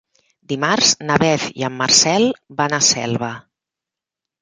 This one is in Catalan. Dimarts na Beth i en Marcel van a Selva.